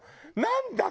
「なんだ？